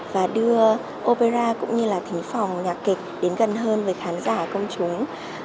và đưa opera cũng như là thính phòng nhạc kịch đến gần hơn với khán giả công chúng